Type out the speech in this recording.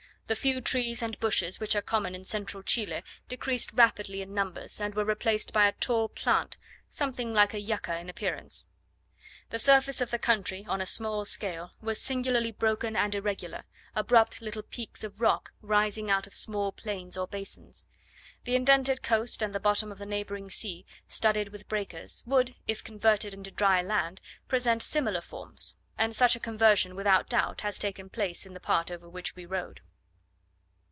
The few trees and bushes which are common in central Chile decreased rapidly in numbers, and were replaced by a tall plant, something like a yucca in appearance. The surface of the country, on a small scale, was singularly broken and irregular; abrupt little peaks of rock rising out of small plains or basins. The indented coast and the bottom of the neighbouring sea, studded with breakers, would, if converted into dry land, present similar forms; and such a conversion without doubt has taken place in the part over which we rode.